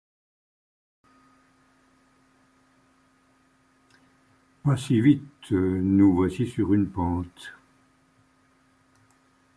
Pas si vite ! nous voici sur une pente !